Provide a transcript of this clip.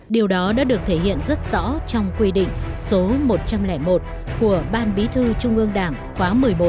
điều đó đã được thể hiện rất rõ trong quy định số một trăm linh một của ban bí thư trung ương đảng khóa một mươi bốn